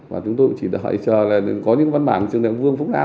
và chúng tôi chỉ đợi chờ là có những văn bản của trường đại học vương phúc đáo